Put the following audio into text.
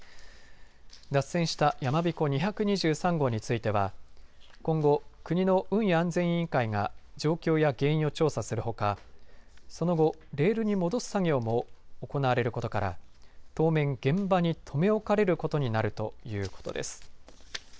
脱線したやまびこ２２３号については今後、国の運輸安全委員会が状況や原因を調査するほかその後、レールに戻す作業も行われることから当面、現場に留め置かれることになるということです。